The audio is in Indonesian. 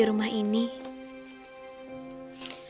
ku pasuxin box